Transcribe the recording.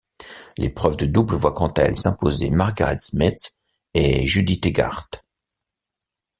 L'épreuve de double voit quant à elle s'imposer Margaret Smith et Judy Tegart.